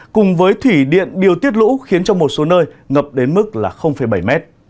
cùng với thủy điện điều tiết lũ khiến trong một số nơi ngập đến mức bảy m